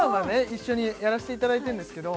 一緒にやらせていただいてるんですけど